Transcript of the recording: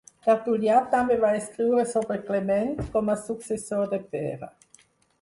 Tertulià també va escriure sobre Clement com a successor de Pere.